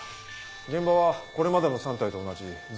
現場はこれまでの３体と同じ雑木林です。